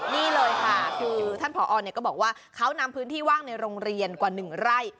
นี่เลยค่ะคือท่านผอก็บอกว่าเขานำพื้นที่ว่างในโรงเรียนกว่า๑ไร่